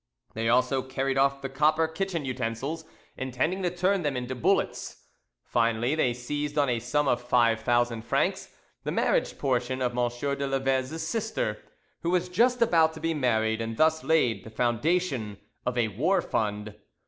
They also carried off the copper kitchen utensils, intending to turn them into bullets. Finally, they seized on a sum of 5000 francs, the marriage portion of M. de Laveze's sister, who was just about to be married, and thus laid the foundation of a war fund.